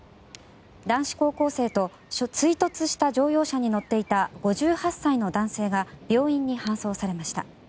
男子高校生と追突した乗用車に乗っていた５８歳の男性が病院に搬送されました。